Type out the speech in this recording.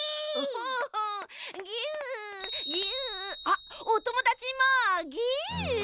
あっおともだちもぎゅっ！